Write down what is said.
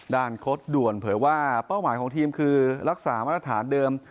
โค้ดด่วนเผยว่าเป้าหมายของทีมคือรักษามาตรฐานเดิม